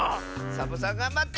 サボさんがんばって！